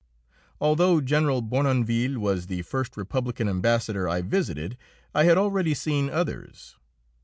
Although General Bournonville was the first republican ambassador I visited, I had already seen others.